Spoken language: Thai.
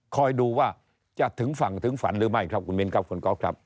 ดูว่าจะถึงฝั่งถึงฝันหรือไม่ครับคุณมิ้นครับคุณก๊อฟครับ